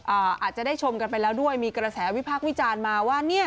อาจจะได้ชมกันไปแล้วด้วยมีกระแสวิพักษ์วิจารณ์มาว่าเนี่ย